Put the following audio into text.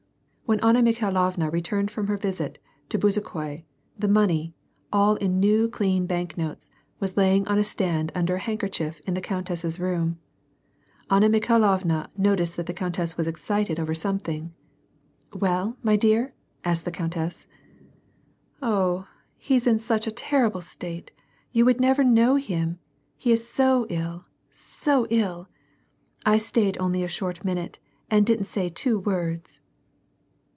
When Anna Mikhailovna returned from her visit to Bezu khoi, the money, all in new clean bank notes, was lying on a stand under a handkerchief in the countess's room. Anna Mikhailovna noticed that the countess was excited over some thing. " Well, my dear ?" asked the countess. " Ah ! he's in a terrible state ! you would never know him, he is so ill, so ill ! I stayed only a^^ort minute and didn't say two words."